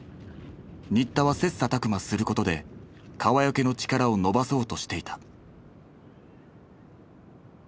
新田は切磋琢磨することで川除の力を伸ばそうとしていた。